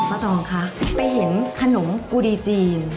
ตองคะไปเห็นขนมกุดีจีน